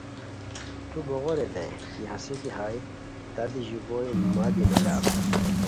تو بوغے ریتائے کی ہسے کی ہائے تہ دی ژیبوئے مہ دی نو لاکوئے